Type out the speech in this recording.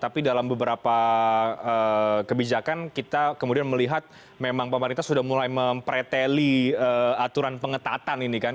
tapi dalam beberapa kebijakan kita kemudian melihat memang pemerintah sudah mulai mempreteli aturan pengetatan ini kan